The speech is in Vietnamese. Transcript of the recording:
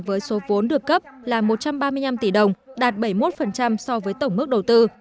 với số vốn được cấp là một trăm ba mươi năm tỷ đồng đạt bảy mươi một so với tổng mức đầu tư